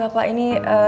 gak pak ini ee